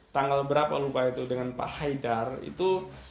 tanggal berapa lupa itu dengan pak haidar itu dua ribu enam belas